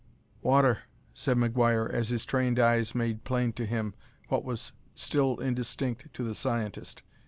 "Water," said McGuire, as his trained eyes made plain to him what was still indistinct to the scientist.